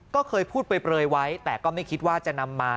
ก็เคยพูดเปลยไว้แต่ก็ไม่คิดว่าจะนำมา